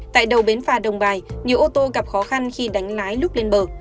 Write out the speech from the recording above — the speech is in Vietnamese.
tại đầu bến phà đồng bài nhiều ô tô gặp khó khăn khi đánh lái lúc lên bờ